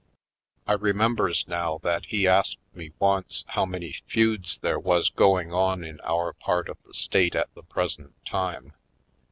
I remembers now that he asked me once how many feuds there was going on in our part of the state at the pres ent time.